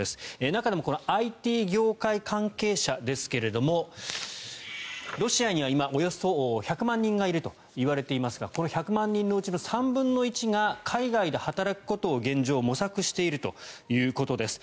中でもＩＴ業界関係者ですがロシアには今およそ１００万人がいるといわれていますがこの１００万人のうちの３分の１が海外で働くことを現状、模索しているということです。